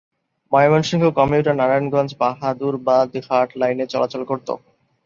Mymensingh commutator Narayanganj-Bahadurabad ঘাট লাইনে চলাচল করত।